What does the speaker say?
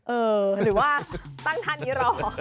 หรือว่าตั้งท่านนี้รอ